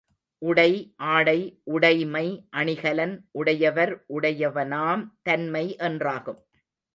உடை ஆடை, உடைமை அணிகலன், உடையவர் உடையவனாம் தன்மை என்றாகும்.